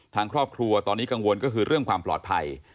ทางครอบครัวตอนนี้กังวลก็คือเรื่องความปลอดภัย